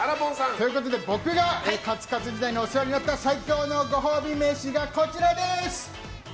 僕がカツカツ時代にお世話になった最強のご褒美飯がこちら。